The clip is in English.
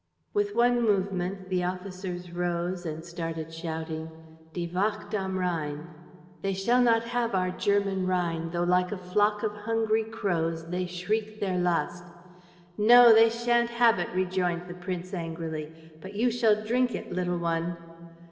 With one movement, the officers rose and started shouting: Die Wacht am Rhein "They shall not have our German Rhine, Tho' like a flock of hungry crows They shriek their lust ..." "No, they shan't have it," rejoined the prince, angrily, "but you shall drink it, little one!"